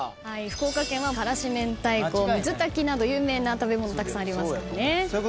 福岡県は辛子めんたいこ水炊きなど有名な食べ物たくさんありますからね。